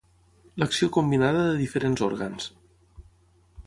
L'acció combinada de diferents òrgans.